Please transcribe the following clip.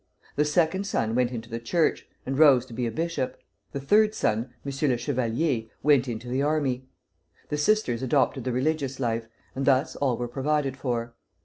The second son went into the Church, and rose to be a bishop. The third son, M. le Chevalier, went into the army. The sisters adopted the religious life, and thus all were provided for.